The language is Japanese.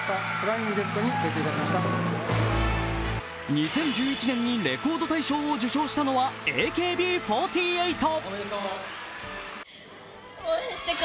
２０１１年にレコード大賞を受賞したのはＡＫＢ４８。